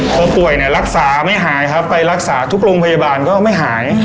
พอป่วยเนี่ยรักษาไม่หายครับไปรักษาทุกโรงพยาบาลก็ไม่หาย